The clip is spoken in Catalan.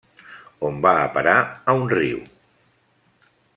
On va a parar a un riu.